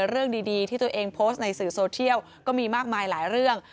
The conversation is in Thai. เรื่องดีที่ตัวเองโพสต์ในสื่อโซเทียลก็มีมากมายหลายเรื่อง